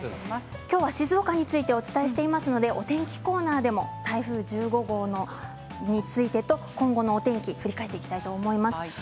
今日は静岡についてお伝えしていますのでお天気コーナーでも台風１５号についてと今後のお天気振り返っていきたいと思います。